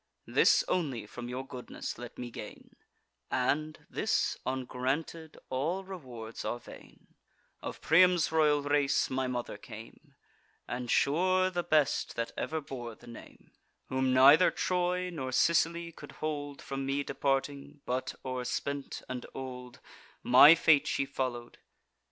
This only from your goodness let me gain (And, this ungranted, all rewards are vain) Of Priam's royal race my mother came— And sure the best that ever bore the name— Whom neither Troy nor Sicily could hold From me departing, but, o'erspent and old, My fate she follow'd.